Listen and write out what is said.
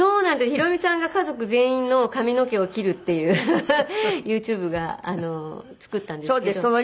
ヒロミさんが家族全員の髪の毛を切るっていうＹｏｕＴｕｂｅが作ったんですけど。